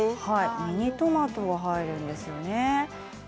ミニトマトは入るんですよね。